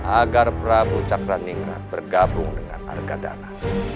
agar prabu cakra ningrat bergabung dengan argadana